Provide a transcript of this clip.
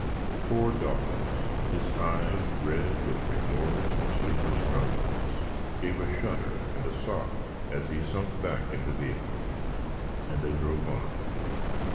Pore Dawkins! his eyes red with remors and sleepliss drankenniss, gave a shudder and a sob, as he sunk back in the wehicle; and they drove on.